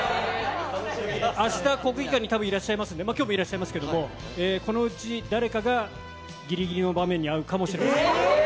あした、国技館にたぶんいらっしゃいますんで、きょうもいらっしゃいますけども、このうち誰かが、ぎりぎりの場面にあうかもしれません。